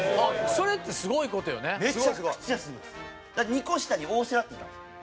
２個下に大瀬良っていたんですよ。